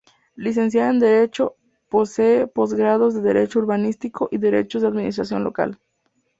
Licenciada en Derecho, posee postgrados de Derecho Urbanístico y de Derecho de Administración Local.